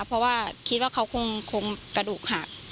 เพราะว่าคิดว่าเขาคงกระดูกหัก